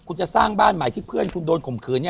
คุณจะสร้างบ้านหมายที่คุณเป็นคุณต้องดูข่มขืนฮะ